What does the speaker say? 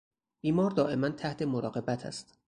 بیمار دائما تحت مراقبت است.